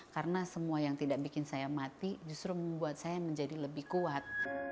karena semua yang tidak bikin saya mati justru membuat saya menjadi lebih kuat